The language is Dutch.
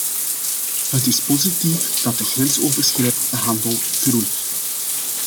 Het is positief dat de grensoverschrijdende handel groeit.